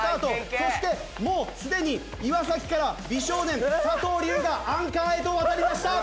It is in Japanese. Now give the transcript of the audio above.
そしてもうすでに岩から美少年佐藤龍我アンカーへと渡りました。